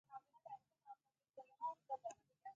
استاد بینوا د ژبنیو اصطلاحاتو د رواج هڅه وکړه.